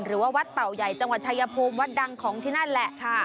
หรือว่าวัดเต่าใหญ่จังหวัดชายภูมิวัดดังของที่นั่นแหละ